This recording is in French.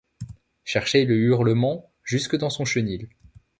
Chercher le hurlement jusque dans son chenil ;